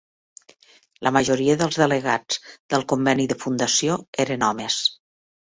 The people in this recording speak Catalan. La majoria de delegats del conveni de fundació eren homes.